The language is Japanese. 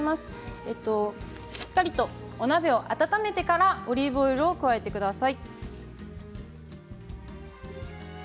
しっかりとお鍋を温めてからオリーブオイルを加えてください。